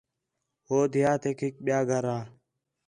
ہو دیہاتیک ہِک ٻِیا گھر ہا